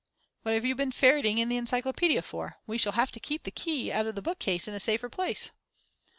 "What have you been ferreting in the encyclopedia for; we shall have to keep the key of the bookcase in a safer place."